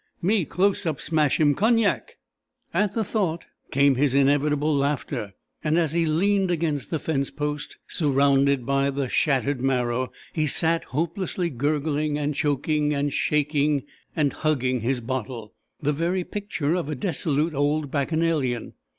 Me close up smash him Cognac." At the thought came his inevitable laughter, and as he leant against the fence post, surrounded by the shattered marrow, he sat hopelessly gurgling, and choking, and shaking, and hugging his bottle, the very picture of a dissolute old Bacchanalian.